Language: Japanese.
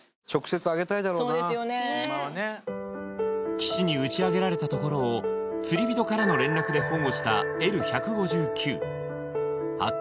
岸に打ち上げられたところを釣り人からの連絡で保護したＬ−１５９発見